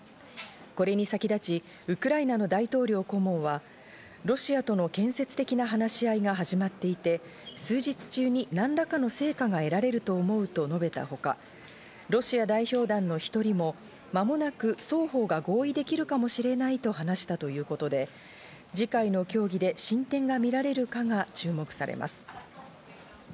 これに先立ち、ウクライナの大統領顧問はロシアとの建設的な話し合いが始まっていて、数日中に何らかの成果が得られると思うと述べたほか、ロシア代表団の１人も間もなく双方が合意できるかもしれないと話したということで、次回の協議で進展が見られるかが注目されます。